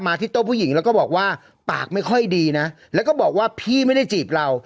ที่โต๊ะผู้หญิงแล้วก็บอกว่าปากไม่ค่อยดีนะแล้วก็บอกว่าพี่ไม่ได้จีบเรา